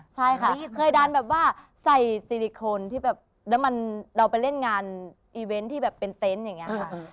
ใช่ค่ะเคยดันแบบว่าใส่ซิลิโคนที่แบบแล้วเราไปเล่นงานอีเวนต์ที่แบบเป็นเต็นต์อย่างนี้ค่ะ